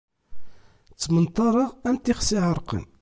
Ttmenṭareɣ am tixsi iɛerqen.